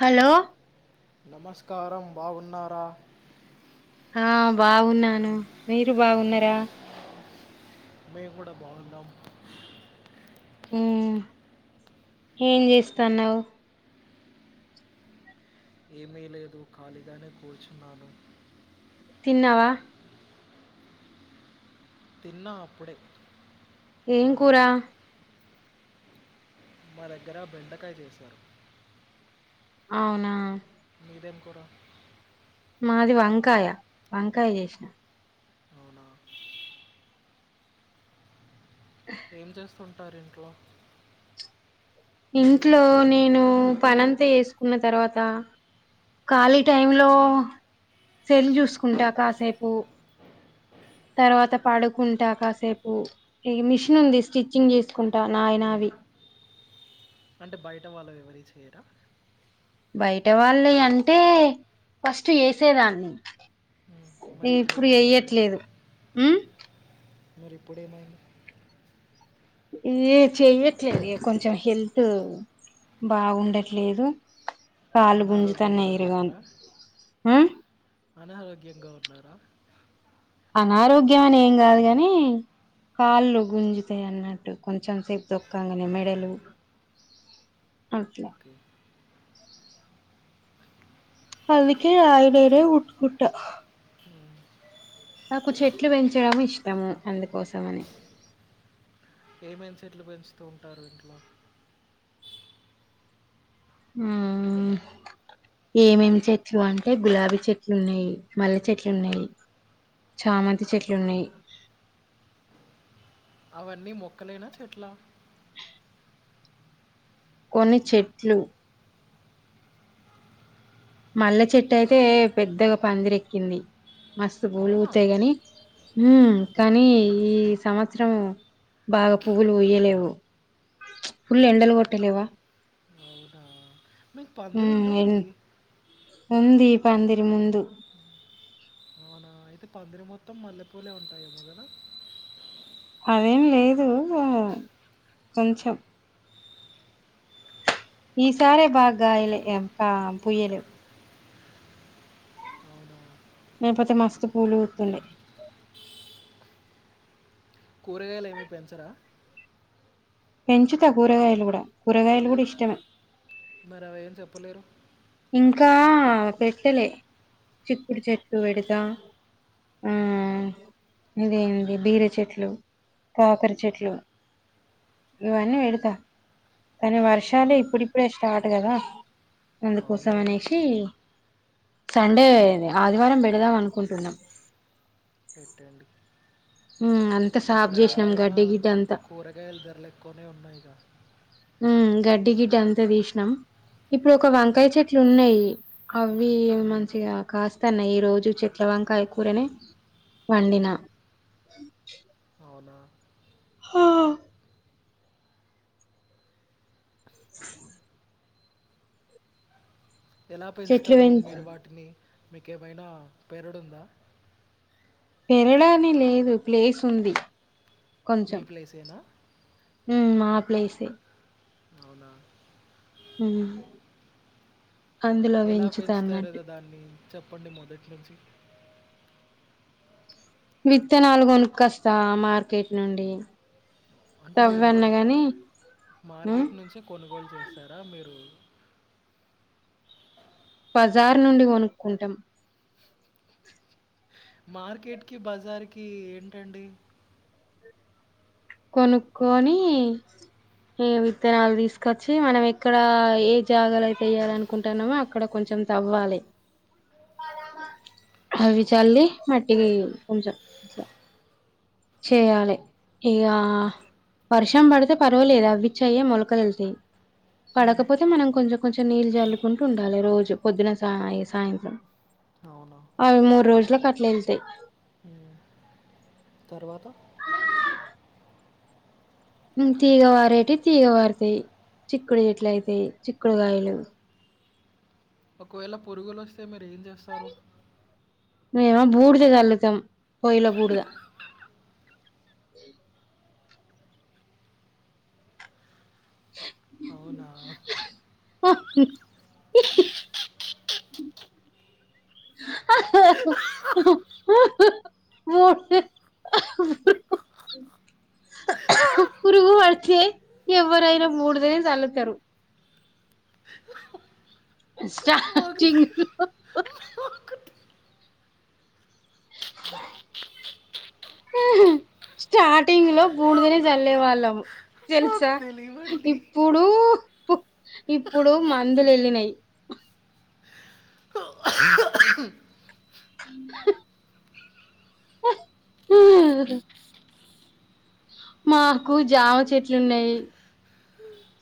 Hello నమస్కారం బాగున్నారా ఆ బాగున్నాను మీరు బాగున్నారా మేము కూడా బాగున్నాం ఉ ఏం చేస్తాన్నావ్ ఏమీ లేదు ఖాళీగానే కూర్చున్నాను తిన్నావా తిన్న అప్పుడే ఏం కూర మధ్యాహ్నం మా దగ్గర బెండకాయ చేశారు అవునా మీదేం కూర మాది వంకాయ వంకాయ చేసిన అవునా ఏం చేస్తుంటారు ఇంట్లో ఇంట్లో నేను పనంతా ఏసుకున్న తర్వాత ఖాళీ టైమ్లో సెల్ జూసుకుంటా కాసేపు తర్వాత పడుకుంటా కాసేపు ఇ మిషిను ఉంది స్టిచ్చింగ్ చేసుకుంటా నాయనావి అంటే బయట వాళ్ళు ఎవరి చేయరా బయట వాళ్ళే అంటే ఫస్ట్ ఏసేదాన్ని మ్మ్. మరి ఇప్పుడు ఏమైందండి ఎయ్యట్లేదు ఉ మరి ఇప్పుడేమైంది ఇఏ చెయ్యట్లేదు కొంచెం హెల్త్ బాగుండట్లేదు కాలు అనారోగ్యంగా గుంజుతన్నయ్ ఇరుగాను ఉన్నారా ఆ అనారోగ్యంగా ఉన్నారా అనారోగ్యం అని ఏం గాదు కాని కాళ్ళు గుంజుతయి అన్నట్టు కొంచెం సేపు తొక్కంగనే మెడలు అట్ల ఓకే అందుకే అయనేర ఉట్కుట్ట నాకు చెట్లు పెంచడం ఇష్టము అందుకోసం అని ఏమేం చెట్లు పెంచుతూ ఉంటారు ఇంట్లో ఉమ్ ఏమేమి చెట్లు అంటే గులాబీ చెట్లున్నాయ్ మల్లె చెట్లున్నాయ్ చామంతి చెట్లున్నాయ్ అవన్నీ మొక్కలేనా చెట్లా కొన్ని చెట్లు మళ్లే చెట్టు అయితే పెద్దగా పందిరెక్కింది మస్తు అవునా పూలుబుత్తయ్ గని ఉమ్ కానీ ఈ సంవత్సరము బాగా పువ్వులు పుయ్యలేవు ఫుల్ ఎండలు కొట్టలేవా అవునా మీక్ ఉమ్ పందిరుందా ఎన్ అండి ఉంది పందిరి ముందు అవునా! అయితే పందిరి మొత్తం మల్లెపూలే ఉంటాయేమో గదా అదేం లేదు కొంచెం ఈసారే బాగాయలే కా పుయ్యలేవ్ అవునా! లేపోతే మస్తు పూలు పుత్తుండే కూరగాయలు ఏమి పెంచరా పెంచుతా కూరగాయలు గుడా కూరగాయలు కూడా ఇష్టమే మరవేం చెప్పలేరు ఇంకా పెట్టలే చిక్కుడు చెట్లు పెడుతా ఇదేంది బీర చెట్లు కాకర చెట్లు ఇవన్నీ పెడతా కని వర్షాలే ఇప్పుడిప్పుడే స్టార్ట్ కదా అందుకోసం అవును. అనేసి సండే ఆదివారం పెడదాం అనుకుంటున్నాం పెట్టండి ఉ అ ఇప్పుడు ఎలా అయినా కూరగాయల్ ధర్ల్ ఎక్కువనే ఉన్నాయిగా ఉ గడ్డి గిడ్డి అంతా తీశినం ఇప్పుడు ఒక వంకయ్ చెట్లు ఉన్నాయి అవ్వి మంచిగా కాస్తాన్నాయి ఈ రోజు చెట్ల వంకాయ కూరనే వండిన అవునా! హా ఎలా చెట్లు పెంచుతారు పెంచ మీరు వాటిని మీకేమైనా పేరడుందా పెరడాని లేదు ప్లేస్ ఉంది మీ కొంచెం ప్లేసేనా ఉమ్ మా ప్లేసే అవునా ఉమ్ అందులో ఎలా పెంచుత పెంచుతారు అన్నట్టు గదా దాన్ని చెప్పండి మొదట్ నుంచి విత్తనాలుగొనుక్కస్తా మార్కెట్ నుండి అంటే మీరు తవ్వన్న మార్ గాని ఉమ్ మార్కెట్ నుంచే కొనుగోలు చేస్తారా మీరు బజార్ నుండి కొనుక్కుంటాం మార్కెట్ కి బజార్ కి ఏంటండి కొనుక్కొని ఇగ విత్తనాలు తీస్కచ్చి మనం ఎక్కడ ఏ జాగాలయితే ఎయ్యాలనుకుంటాన్నామో అక్కడ కొంచెం తవ్వాలే అ ఆవిచల్లీ మాటికి కొంచం అట్ల చేయాలే ఇగ వర్షం పడితే పర్వాలదు అవ్విచ్చయ్యే మొలకలుెళ్తే హ్మ్. పడకపోతే మనం కొంచెం కొంచెం నీళ్ళు జల్లుకుంటూ ఉండాలి రోజు పొద్దున సా ఈ సాయంత్రం అవునా? అవి మూడ్రోజలాక్ అట్లా ఎళ్తాయి హ్మ్. తర్వాత ఆ హ్మ్ తీగవారేటి తీగ వారుతాయి చిక్కుడు గిట్ల అయితాయి చిక్కుడుకాయలు ఒకవేళ పురుగులు వస్తే మీరు ఏం చేస్తారు మేమా బూడిద జల్లుతాం పోయ్లో బూడ్ద అవునా? ఆ హ హ ఓ ఎవ్వరైనా బూడిదనే చల్లుతరు మాకు తె స్టార్టింగ్ [inaudible] స్టార్టింగ్లో బూడుదనే చల్లే వాళ్ళము మాకు తెల్సా తెలీవండి. ఇప్పుడు ఇప్పుడు మందులు ఎళ్ళినాయి హ హ మాకు జామ చెట్లు ఉన్నాయి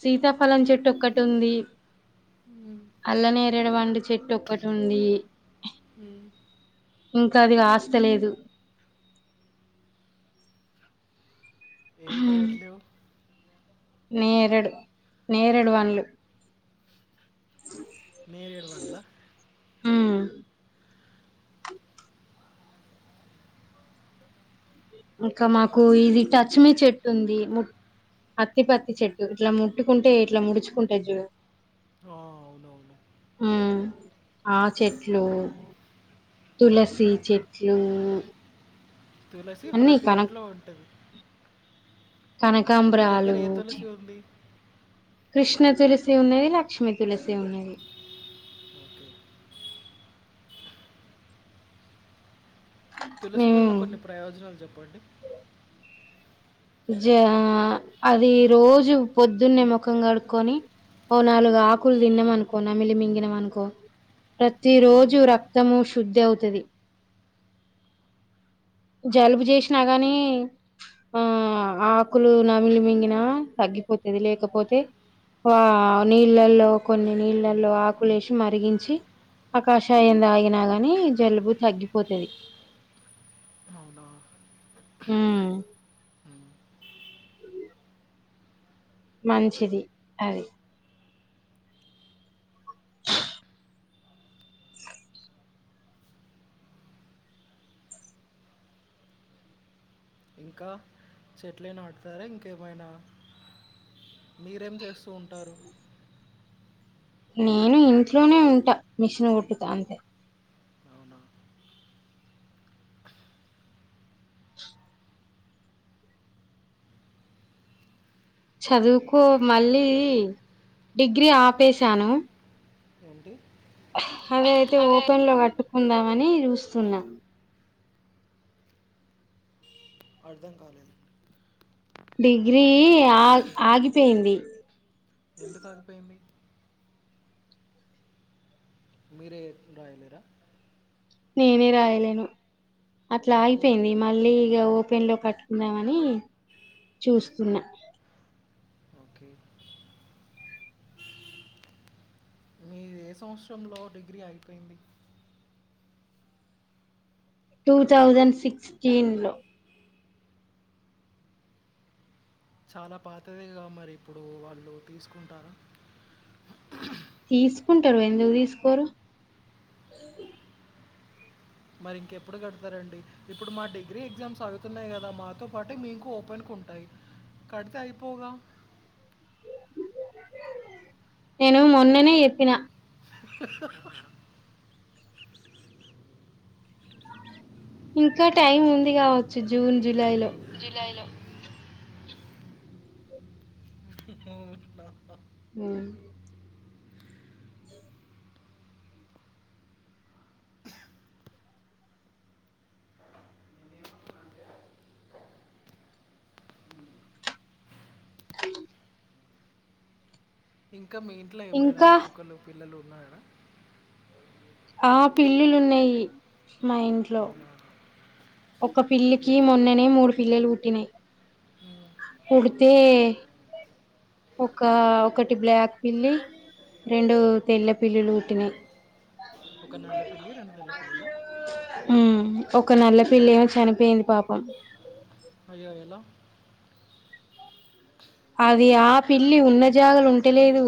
సీతాఫలం చెట్టుొక్కటి ఉంది అల్ల నేరేడు పండు చెట్టు ఒక్కటుంది హ్మ్. ఇంకా అది కాస్తలేదు ఏవి కాయాట్లేవ్ నేరెడు నేరెడు వన్లు నేరేడు పండ్లా? ఉమ్ ఇంకా మాకు ఇది టచ్మీ చెట్టు ఉంది ము అత్తి పత్తి చెట్టు ఇట్లా ముట్టుకుంటే ఇట్లా ముడుచుకుంటే చూ ఆ అవునువును ఆ చెట్లు తులసి చెట్లు తులసి అన్ని ప్రతి కనక ఇంట్లో ఉంటది మీ దగ్గర కనకాబ్రలు ఏ తులసి ఉంది? కృష్ణ తులసి ఉన్నది లక్ష్మిీ తులసి ఉన్నది ఓకే. తులసి వల్ల మేము కొన్ని ప్రయోజనాలు చెప్పండి జ అది రోజు పొద్దున్నే ముఖం కడుకొని ఓ నాలుగు ఆకులు తిన్నామాంకో నమిలి మింగినమ అనుకో ప్రతి రోజు రక్తము శుద్ధి అవుతది జలుబు చేస్నా గానీ ఆ ఆకులు నమిలి మింగినా తగ్గిపోతుది లేకపోతే ఆ నీళ్ళల్లో కొన్ని నీళ్ళల్లో ఆకులేసి మరిగించి ఆకాషాయం తగినగాని జలుబు తగ్గిపోతది అవునా? ఉ హ్మ్. మంచిది అది ఇంకా చెట్లే నాటుతారా ఇంకేమైనా మీరేం చేస్తూ ఉంటారు నేను ఇంట్లోనే ఉంటా మిషన్ కుట్టుత అంతే అవునా చదువుకో మళ్ళీ డిగ్రీ ఆపేశాను ఏంటి అదయితే ఓపెన్ లో కట్టుకుందామని చూస్తున్నాం అర్థం కాలేదు డిగ్రీ ఆగ్ ఆగిపెయింది ఎందుకు ఆగ్పెయింది మీరే రాయ్లేరా నేనే రాయలేను అట్లా ఎందుకు అగిపోయింది మళ్ళీ ఇగ పెన్లో కట్టుకున్నామని చూస్తున్నా ఓకే మీ ఏ సంవత్సరంలో డిగ్రీ ఆగిపోయింది టూ థౌజన్ సిక్స్టీన్ లో చాలా పాతదేగా మరి ఇప్పుడు వాళ్ళు తీసుకుంటార తీసుకుంటారు ఎందుక్ తీసుకోరు మరి ఇంకెప్పుడు కడతారండి ఇప్పుడు మా డిగ్రీ ఎగ్జామ్స్ అగుతున్నాయి గదా మాతో పాటే మీకు ఓపెన్ ఉంటయి కడితే అయిపోగా నేను మొన్ననే ఎప్పినా ఇంకా టైం ఉంది కావచ్చు జూన్ జులై లో జులై లో బ ఉ హలో ఇంకా మీ ఇంట్ల ఏమైనా ఇంకా కుక్కలు పిల్లలు ఉన్నాయడ ఆ పిళ్ళిలున్నయ్ మా ఇంట్లో అవునా ఒక్కపిల్లికి ఏ- మొన్ననే మూడు పిల్లలు పుట్టినయ్ మ్మ్. పుడితే ఒక ఒకటి బ్లాక్ పిల్లి రెండు తెల్ల పిల్లులు పుట్టినయ్ ఒక నల్ల పిల్లి రెండు తెల్ల పిల్లులా ఉమ్ ఒక నల్ల పిల్లి ఏమో చనిపోయింది పాపం అయ్యో ఎలా అది ఆ పిల్లి ఉన్న జాగల ఉంటలేదు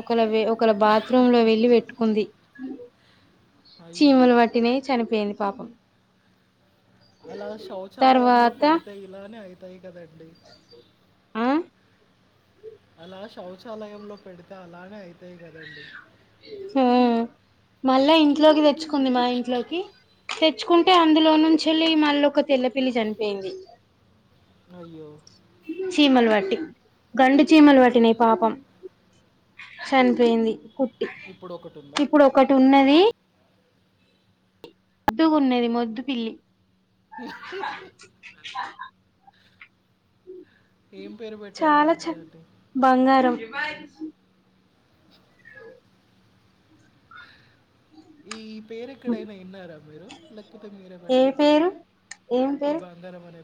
ఒక ల వే ఒకల బాత్రూమ్ లో వెళ్లి పెట్టుకుంది అయ్యో చీమలు వట్టినై చనిపోయింది పాపం అలా శౌచాలయంలో తర్వాత పెడితే ఇలానే అయితాయి కద ఆ అలా శౌచాలయంలో పెడితే అలానే అయితాయి కదండి హ మళ్ళా ఇంట్లోకి తెచ్చుకుంది మా ఇంట్లోకి తెచ్చుకుంటే అందులో నుంచేళ్ళి మల్లోక తెల్లపిల్లి చనిపెయింది అయ్యో చీమల్ వట్టి గండు చీమల్ అవునా వట్టినయి పాపం చనిపోయింది కుట్టి ఇప్పుడు ఒకటి ఉందా ఇప్పుడు ఒకటి ఉన్నది ముద్దుగున్నది మొద్దు పిల్లి ఆ ఏం పేరు పెట్టారు పెడుగుతటె మాంచి ఈ పేరు ఎక్కడైనా ఇన్నారా మీరు లేకపోతే మీరే ఏ పెట్టారా పేరు ఏం ఈ పేరు బంగారమనే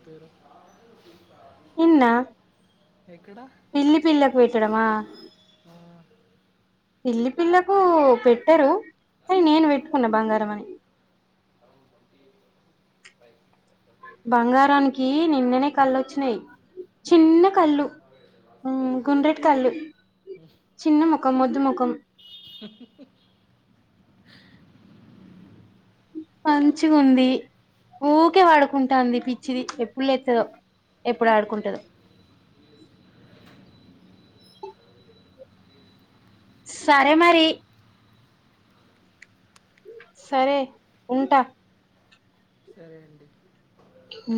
ఇన్న ఎక్కడ పిల్లి పిల్లకు పెట్టడమా ఆ, పిల్లి పిల్లకు పెట్టరు కానీ నేను పెట్టుకున్న బంగారం అని అ ఫై బంగారానికి నిన్ననే కల్లోచ్చినాయి చిన్న కళ్ళు అవునా గుండ్రెటి కళ్ళు చిన్న ముఖం మొద్దు ముఖం పంచిగుంది ఊకే ఆడుకుంటాంది పిచ్చిది ఎప్పుడు లేతదో ఎప్పుడు ఆడుకుంటదో సరే మరి సరే ఉంటా సరే అండి ఉ